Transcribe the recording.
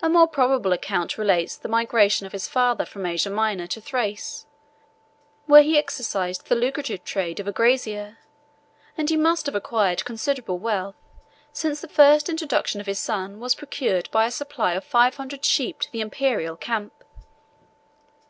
A more probable account relates the migration of his father from Asia Minor to Thrace, where he exercised the lucrative trade of a grazier; and he must have acquired considerable wealth, since the first introduction of his son was procured by a supply of five hundred sheep to the Imperial camp.